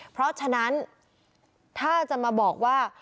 เพราะฉะนั้นถ้าจะมาบอกว่า